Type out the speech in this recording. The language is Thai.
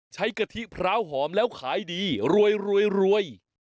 ใช้กะทิพร้าวหอมแล้วขายดีรวยรวยรวย